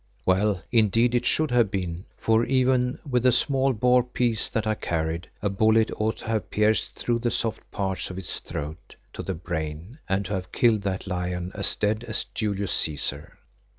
Well, indeed, it should have been, for even with the small bore piece that I carried, a bullet ought to have pierced through the soft parts of its throat to the brain and to have killed that lion as dead as Julius Cæsar.